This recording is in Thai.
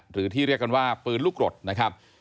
หรือที่เรียกกันว่าปืนลูกกรดนะครับ